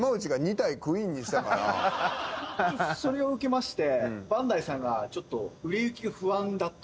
それを受けまして。